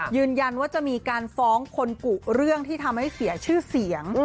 ยืนยันว่าจะมีการฟ้องคนกุเรื่องที่ทำให้เสียชื่อเสียง